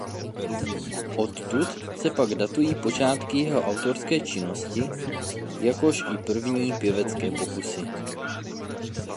Odtud se pak datují počátky jeho autorské činnosti jakož i první pěvecké pokusy.